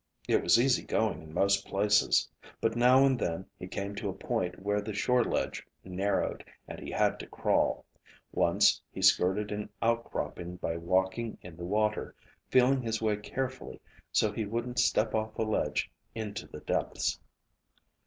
It was easy going in most places. But now and then he came to a point where the shore ledge narrowed and he had to crawl. Once he skirted an outcropping by walking in the water, feeling his way carefully so he wouldn't step off a ledge into the depths.